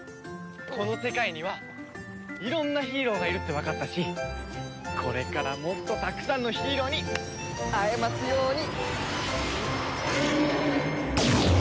この世界にはいろんなヒーローがいるってわかったしこれからもっとたくさんのヒーローに会えますように！